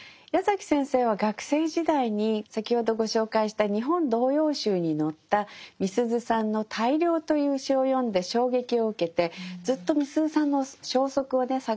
矢崎先生は学生時代に先ほどご紹介した「日本童謡集」に載ったみすゞさんの「大漁」という詩を読んで衝撃を受けてずっとみすゞさんの消息をね